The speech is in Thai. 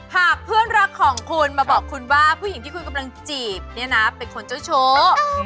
หากเพื่อนรักของคุณมาบอกคุณว่าผู้หญิงที่คุณกำลังจีบเนี่ยนะเป็นคนเจ้าชู้